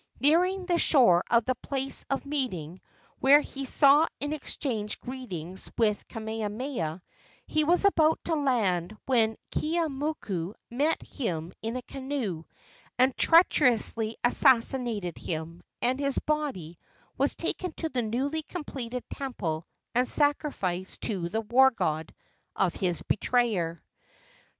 Nearing the shore of the place of meeting, where he saw and exchanged greetings with Kamehameha, he was about to land when Keeaumoku met him in a canoe and treacherously assassinated him, and his body was taken to the newly completed temple and sacrificed to the war god of his betrayer.